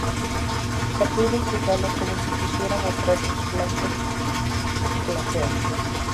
Sacude sus alas como si quisiera mostrar sus flancos plateados.